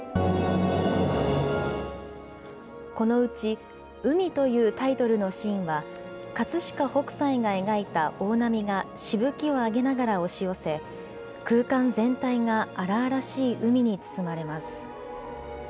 このうち、海というタイトルのシーンは、葛飾北斎が描いた大波がしぶきを上げながら押し寄せ、空間全体が荒々しい海に包まれます。